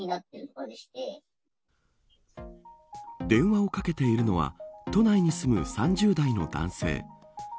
電話をかけているのは都内に住む３０代の男性。